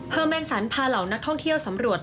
แมงสันพาเหล่านักท่องเที่ยวสำรวจ